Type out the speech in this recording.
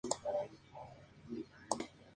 Es un instrumento de percusión usado entre los árabes.